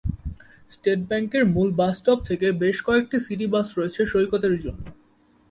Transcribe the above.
State ব্যাঙ্কের মূল bus stop থেকে বেশ কয়েকটি সিটি বাস রয়েছে সৈকতের জন্য।